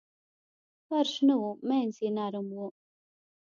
فرش نه و مینځ یې نرم و.